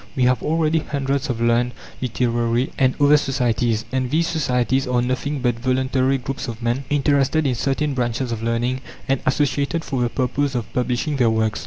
We have already hundreds of learned, literary, and other societies; and these societies are nothing but voluntary groups of men, interested in certain branches of learning, and associated for the purpose of publishing their works.